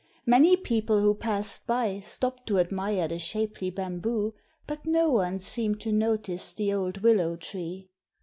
Many people who passed by stopped to admire the shapely bamboo, but no one seemed to notice the old willow tree.